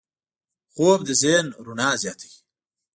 خوب د ذهن رڼا زیاتوي